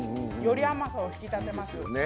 より甘さを引き立てます。